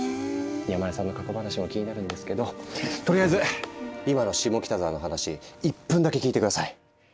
山根さんの過去話も気になるんですけどとりあえず今の下北沢の話１分だけ聞いて下さい。